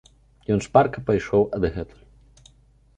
І ён шпарка пайшоў адгэтуль.